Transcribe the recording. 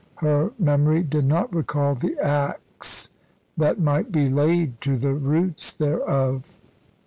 her memory did not recall the axe that might be laid to the roots thereof.